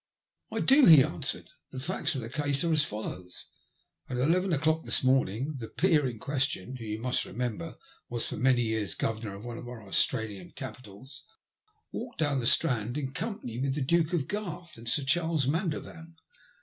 '' I do," he answered. '' The facts of the case are as follows :— At eleven o'clock this morning the peer in question, who, you must remember, was for many years Governor of one of our Australian capitals, walked down the Strand in company with the Duke of Garth and Sir Charles Mandervan.